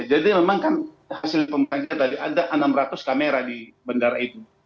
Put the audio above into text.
jadi memang kan hasil pembelajaran tadi ada enam ratus kamera di bendara itu